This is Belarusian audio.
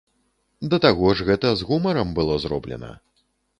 Да таго ж гэта з гумарам было зроблена.